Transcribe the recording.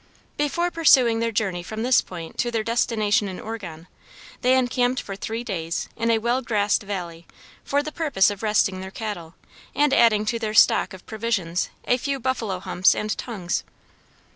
Before pursuing their journey from this point to their destination in Oregon, they encamped for three days in a well grassed valley for the purpose of resting their cattle, and adding to their stock of provisions a few buffalo humps and tongues.